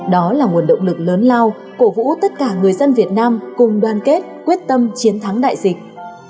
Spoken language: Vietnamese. đó là nguồn động lực lớn lao cổ vũ tất cả người dân việt nam cùng đoàn kết quyết tâm chiến thắng đại dịch